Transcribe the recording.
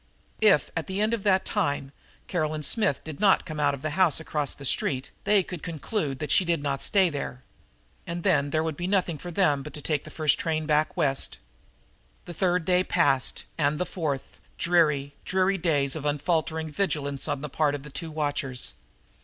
If, at the end of that time, Caroline Smith did not come out of the house across the street they could conclude that she did not stay there. And then there would be nothing for it but to take the first train back West. The third day passed and the fourth, dreary, dreary days of unfaltering vigilance on the part of the two watchers.